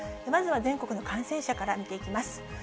まずは全国の感染者から見ていきます。